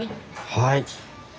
はい。